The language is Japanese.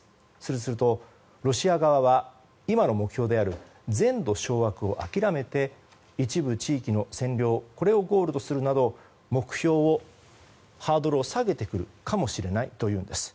すると、ロシア側は今の目標である全土掌握を諦めて一部地域の占領これをゴールとするなど目標、ハードルを下げてくるかもしれないというんです。